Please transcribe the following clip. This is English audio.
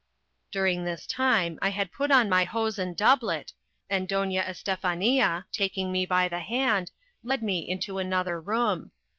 During this time I had put on my hose and doublet, and Doña Estefania, taking me by the hand, led me into another room.